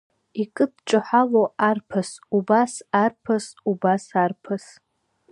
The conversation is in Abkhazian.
Икыдҿаҳәалоу арԥыс убас арԥыс, убас, арԥыс!